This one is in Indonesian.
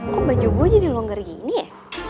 kok baju gue jadi longgar gini ya